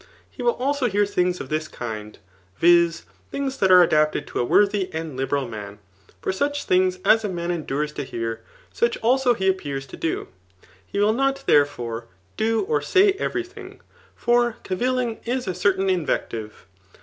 He will also hear things of this kind, [viz. things which are adapted to a worthy and liberal man ;] for such things as a man en dures to hear, such also he appears to do. He will not, therefore, do [or say] every thing ; for cavilling is a cer tnin invective.